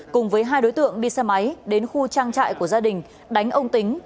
cùng với hai đối tượng đi xe máy đến khu trang trại của gia đình đánh ông tính